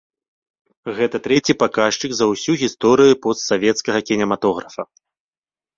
Гэта трэці паказчык за ўсю гісторыю постсавецкага кінематографа.